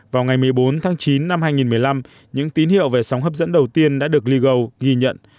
vào ngày một mươi bốn tháng chín năm hai nghìn một mươi năm những tín hiệu về sóng hấp dẫn đầu tiên đã được ligo ghi nhận